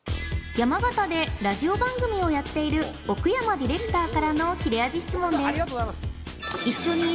山形でラジオ番組をやっている奥山ディレクターからの切れ味質問です